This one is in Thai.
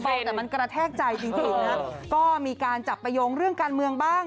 แต่มันกระแทกใจจริงนะก็มีการจับประโยงเรื่องการเมืองบ้าง